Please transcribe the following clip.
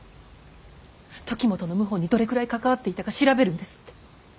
時元の謀反にどれくらい関わっていたか調べるんですって。